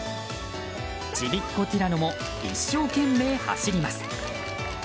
ちびっこティラノも一生懸命走ります。